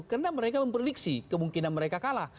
karena mereka memperleksi kemungkinan mereka kalah